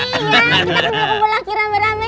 kita kembali ke rumah lah kiram beramai ya